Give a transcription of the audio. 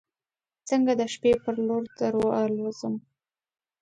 څنګه د شپې پر لور دروالوزم